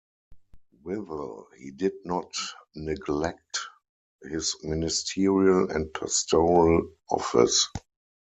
Withal he did not neglect his ministerial and pastoral office.